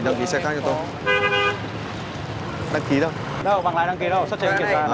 đây là màu gì đây